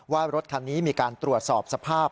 ว่ารถคันนี้มีการตรวจสอบสภาพ